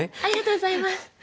ありがとうございます。